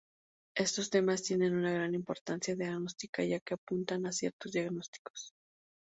Estos temas tienen una gran importancia diagnóstica ya que apuntan a ciertos diagnósticos.